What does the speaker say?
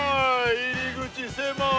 入り口狭い！